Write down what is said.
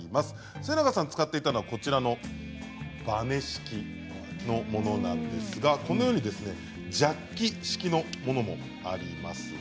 末永さんが使っていたのはこちらのバネ式のものなんですがジャッキ式のものもあります。